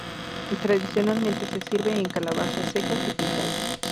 Tradicionalmente se sirve en calabazas secas y pintadas.